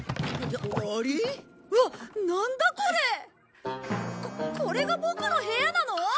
ここれがボクの部屋なの？